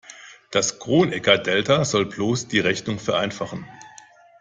Das Kronecker-Delta soll bloß die Rechnung vereinfachen.